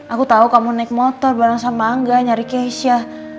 aku tahu kamu naik motor bareng sama angga nyari keisha